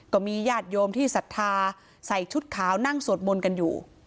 ก็มีญาติโยมที่ศรัทธาใส่ชุดขาวนั่งสวดมนต์กันอยู่